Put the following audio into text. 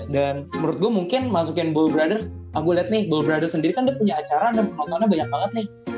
dan menurut gue mungkin masukin ball brothers ah gue liat nih ball brothers sendiri kan dia punya acara dan penontonnya banyak banget nih